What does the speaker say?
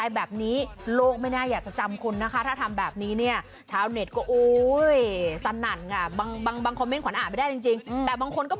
อ๋อนั่นคือคำถามชาวเนทคุณเป็นหนึ่งในชาวเนทค่ะ